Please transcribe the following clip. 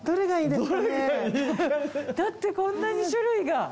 だってこんなに種類が。